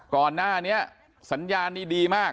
ก่อนหน้านี้สัญญาณนี้ดีมาก